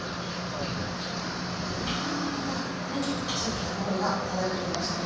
わあまた違った香りが漂ってきましたよ。